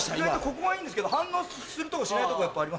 ここがいいんですけど反応するとこしないとこある。